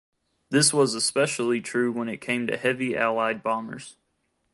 This was especially true when it came to heavy Allied bombers.